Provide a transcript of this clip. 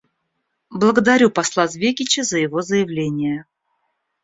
Благодарю посла Звекича за его заявление.